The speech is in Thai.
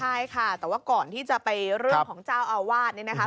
ใช่ค่ะแต่ว่าก่อนที่จะไปเรื่องของเจ้าอาวาสนี่นะคะ